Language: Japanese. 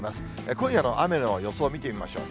今夜の雨の予想見てみましょう。